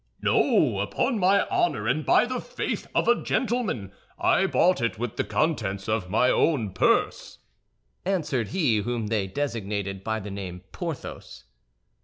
"No, upon honor and by the faith of a gentleman, I bought it with the contents of my own purse," answered he whom they designated by the name Porthos.